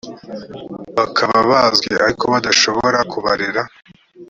bakaba bazwi ariko badashoboye kubarera